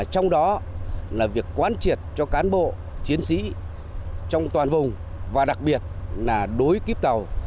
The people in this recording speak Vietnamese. trong đó là việc quán triệt cho cán bộ chiến sĩ trong toàn vùng và đặc biệt là đối kíp tàu